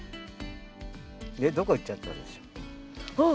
ねっどこ行っちゃったんでしょう？あっ。